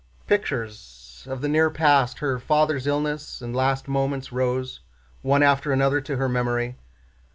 Pictures of the near past—her father's illness and last moments—rose one after another to her memory.